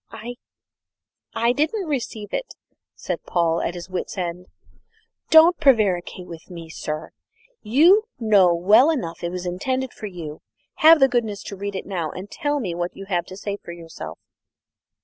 "I I didn't receive it," said Paul, at his wits' end. "Don't prevaricate with me, sir; you know well enough it was intended for you. Have the goodness to read it now, and tell me what you have to say for yourself!"